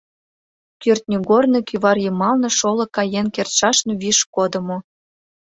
Кӱртньыгорно кӱвар йымалне шоло каен кертшашын виш кодымо.